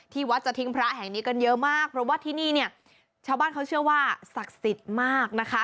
วัดจะทิ้งพระแห่งนี้กันเยอะมากเพราะว่าที่นี่เนี่ยชาวบ้านเขาเชื่อว่าศักดิ์สิทธิ์มากนะคะ